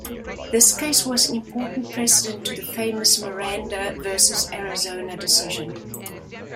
This case was an important precedent to the famous "Miranda versus Arizona" decision.